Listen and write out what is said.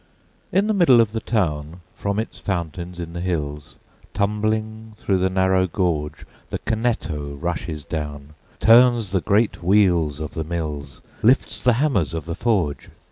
In the middle of the town, From its fountains in the hills, Tumbling through the narrow gorge, The Canneto rushes down, Turns the great wheels of the mills, Lifts the hammers of the forge.